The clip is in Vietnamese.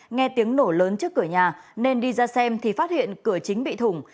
nghe tiếng nổ lớn trước cửa nhà nên đi ra xem thì phát hiện cửa chính bị thủng